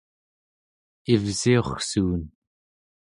ivsiurrsuun